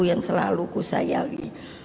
yang selalu ku sayangi